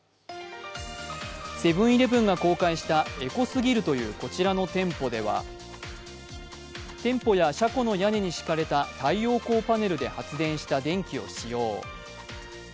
セブン−イレブンが公開したエコすぎるというこちらの店舗では店舗や車庫の屋根に敷かれた太陽光パネルで発電した電気を使用。